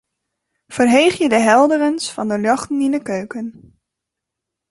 Ferheegje de helderens fan de ljochten yn de keuken.